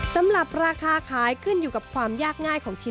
สำหรับราคาขายขึ้นอยู่กับความยากง่ายของชิ้น